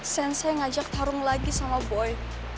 sensei ngajak tarung lagi sama boy